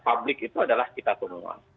publik itu adalah kita semua